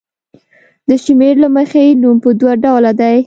د شمېر له مخې نوم په دوه ډوله دی.